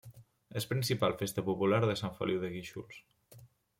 És principal festa popular de Sant Feliu de Guíxols.